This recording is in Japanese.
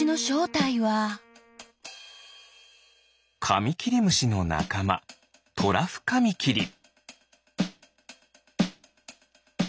カミキリムシのなかまトラフカミキリ。